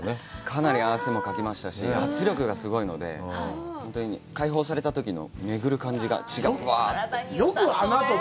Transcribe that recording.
かなり汗もかきましたし、圧力がすごいので、本当に開放されたときのめぐる感じが、血がぶわっと。